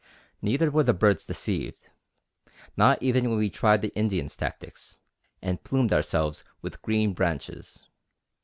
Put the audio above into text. Neither were the birds deceived, not even when we tried the Indian's tactics, and plumed ourselves with green branches.